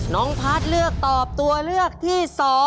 น้องพัฒน์เลือกตอบตัวเลือกที่๒